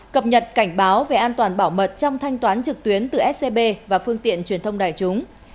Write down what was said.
cập nhật cảnh báo về an toàn bảo mật trong thanh toán trực tuyến từ scb và phương tiện truyền thông đại chúng